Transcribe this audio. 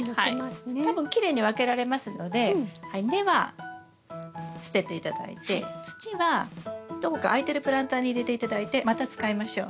多分きれいに分けられますので根は捨てて頂いて土はどこか空いてるプランターに入れて頂いてまた使いましょう。